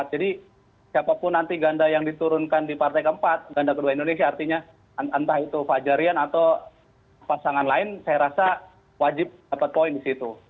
jadi siapapun nanti ganda yang diturunkan di partai ke empat ganda ke dua indonesia artinya entah itu fajarian atau pasangan lain saya rasa wajib dapet poin disitu